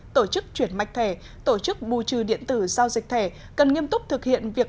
tổ chức chuyển mạch thẻ tổ chức bù trừ điện tử giao dịch thẻ cần nghiêm túc thực hiện việc